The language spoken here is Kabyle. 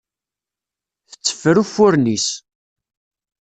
Tetteffer uffuren-is.